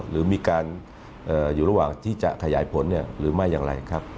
หรือมีการอยู่ระหว่างที่จะขยายผลหรือไม่อย่างไรครับ